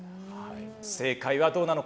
正解はどうなのか。